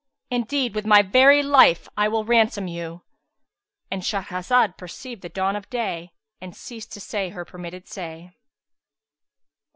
Indeed, with my very life, I will ransom you."—And Shahrazad perceived the dawn of day and ceased to say her permitted say.